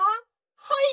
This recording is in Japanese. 「はい！